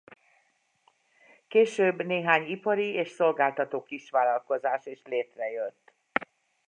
Később néhány ipari és szolgáltató kisvállalkozás is létrejött.